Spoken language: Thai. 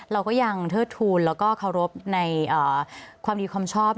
เราก็ยังเทิดทูลแล้วก็เคารพในความดีความชอบ